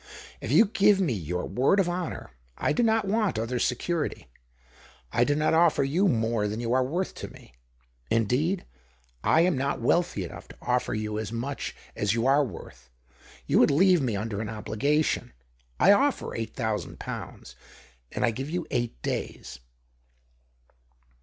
If you give me your word of honour, I do not want other security. I do not ofler you more than you are worth to me — indeed, I am not wealthy enough to offer you as much as you are worth. You would leave me under an obligation. I offer eight thousand pounds, and I give you eight days."